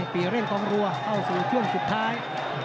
ปีเร่งกองรัวเข้าสู่ช่วงสุดท้าย